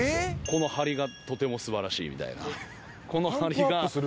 この張りがとてもすばらしいみたいな。